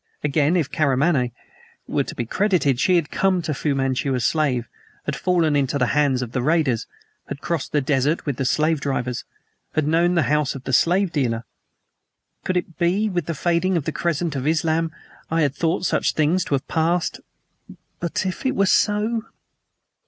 Again, if Karamaneh were to be credited, she had come to Fu Manchu a slave; had fallen into the hands of the raiders; had crossed the desert with the slave drivers; had known the house of the slave dealer. Could it be? With the fading of the crescent of Islam I had thought such things to have passed. But if it were so?